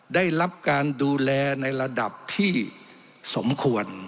ได้รับการดูแลในระดับที่สมควร